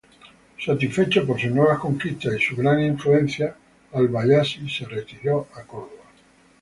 Satisfecho por sus nuevas conquistas y su gran influencia, al-Bayyasi se retiró a Córdoba.